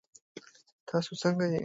تاسو څنګه یئ؟